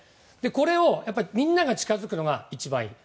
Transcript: これを、みんなが近づくのが一番いい。